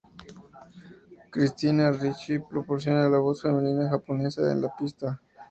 Christina Ricci proporciona la voz femenina japonesa en la pista.